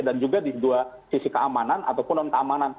dan juga di dua sisi keamanan ataupun non keamanan